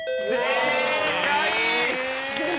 正解！